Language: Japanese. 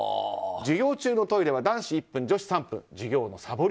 授業中のトイレは男子１分、女子３分。